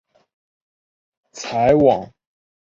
采网路游戏免费模式。